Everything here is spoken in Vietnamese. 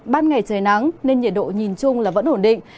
ban ngày trời nắng nên nhiệt độ nhìn chung là vẫn ổn định